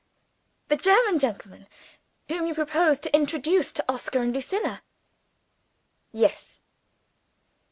"The German gentleman whom you propose to introduce to Oscar and Lucilla?" "Yes."